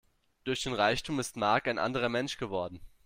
Durch den Reichtum ist Mark ein anderer Mensch geworden.